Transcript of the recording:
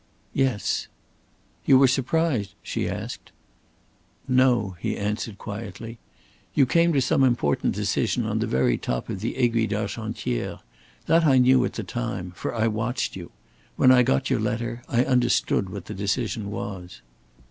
"Yes." "You were surprised?" she asked. "No," he answered, quietly. "You came to some important decision on the very top of the Aiguille d'Argentière. That I knew at the time, for I watched you. When I got your letter, I understood what the decision was."